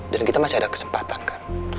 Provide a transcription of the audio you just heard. dan kita masih ada kesempatan kan